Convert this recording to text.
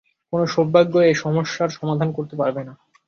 কোনো সৌভাগ্যই এই সমস্যার সমাধান করতে পারবে না।